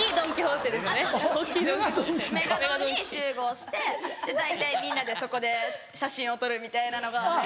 メガドンに集合して大体みんなでそこで写真を撮るみたいなのが。